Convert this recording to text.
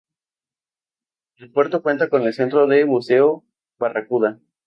El puerto cuenta con el centro de buceo Barracuda.